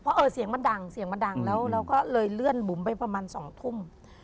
เพราะเออเสียงมันดังเสียงมันดังแล้วเราก็เลยเลื่อนบุ๋มไปประมาณ๒ทุ่ม